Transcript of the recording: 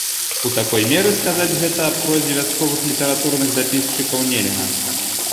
У такой меры сказаць гэта аб прозе вясковых літаратурных дапісчыкаў нельга.